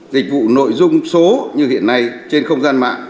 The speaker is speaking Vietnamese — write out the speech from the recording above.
dịch vụ nội dung số như hiện nay trên không gian mạng